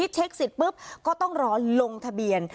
เช็คสิทธิ์ปุ๊บก็ต้องรอลงทะเบียน